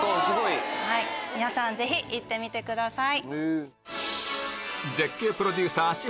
皆さんぜひ行ってみてください。